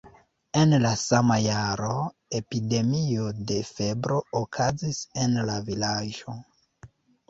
En la sama jaro epidemio de febro okazis en la vilaĝo.